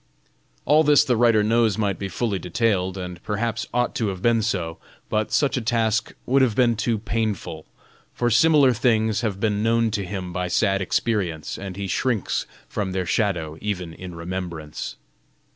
All this the writer knows might be fully detailed, and perhaps ought to have been so; but such a task would have been too painful, for similar things have been known to him by sad experience, and he shrinks from their shadow even in remembrance.